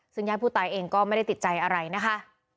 ซึ่งญาติผู้ตายเองก็ไม่ได้ติดใจอะไรนะคะ